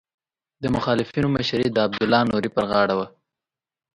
د مخالفینو مشري د عبدالله نوري پر غاړه وه.